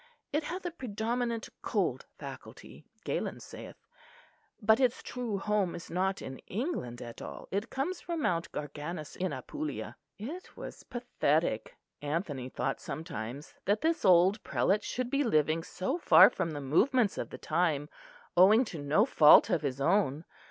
It hath a predominate cold faculty, Galen saith; but its true home is not in England at all. It comes from Mount Garganus in Apulia." It was pathetic, Anthony thought sometimes, that this old prelate should be living so far from the movements of the time, owing to no fault of his own.